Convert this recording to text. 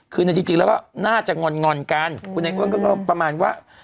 คือในจริงแล้วก็น่าจะงอนกันคุณไอ้อ้วนก็ประมาณว่า